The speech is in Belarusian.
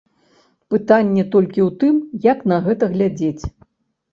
Пытанне толькі ў тым, як на гэта глядзець.